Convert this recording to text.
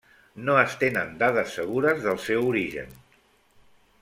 No es tenen dades segures del seu origen.